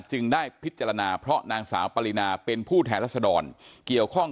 ได้พิจารณาเพราะนางสาวปรินาเป็นผู้แทนรัศดรเกี่ยวข้อง